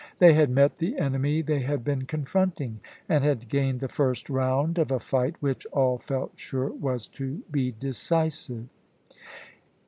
They had met the enemy they had been confronting, and had gained the first round of a fight which all felt sure was to be decisive.